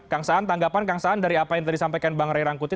kang saan tanggapan kang saan dari apa yang tadi sampaikan bang ray rangkuti